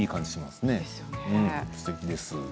すてきです。